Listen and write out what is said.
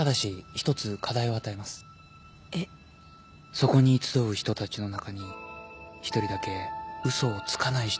そこに集う人たちの中に１人だけ嘘をつかない人がいるかもしれない